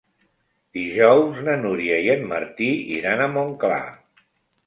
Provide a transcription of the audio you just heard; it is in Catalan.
Dijous na Núria i en Martí iran a Montclar.